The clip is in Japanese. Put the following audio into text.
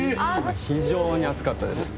非常に暑かったです。